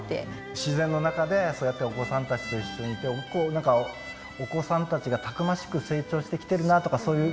自然の中でそうやってお子さんたちと一緒にいてお子さんたちがたくましく成長してきてるなとかそういう。